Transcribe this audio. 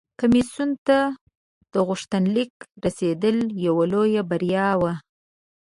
کمیسیون ته د غوښتنلیک رسیدل یوه لویه بریا وه